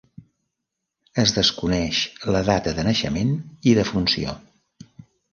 Es desconeix la data de naixement i defunció.